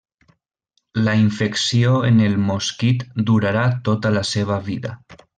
La infecció en el mosquit durarà tota la seva vida.